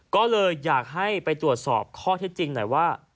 ก็เลยอยากให้ไปตรวจสอบข้อเท็จจริงหน่อยว่า